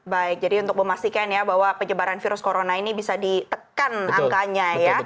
baik jadi untuk memastikan ya bahwa penyebaran virus corona ini bisa ditekan angkanya ya